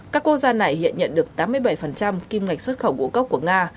các quốc gia này hiện nhận được tám mươi bảy kim ngạch xuất khẩu ngũ cốc của nga